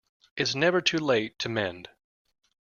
It's never too late to mend.